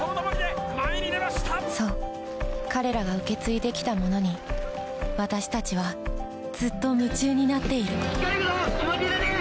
そう彼らが受け継いできたものに私たちはずっと夢中になっている・行けるぞ！